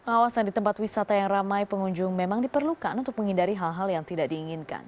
awasan di tempat wisata yang ramai pengunjung memang diperlukan untuk menghindari hal hal yang tidak diinginkan